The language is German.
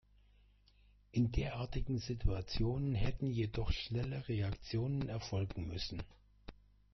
In derartigen Situationen hätten jedoch schnelle Reaktionen erfolgen müssen.